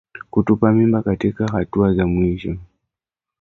Kutupa mimba katika hatua za mwisho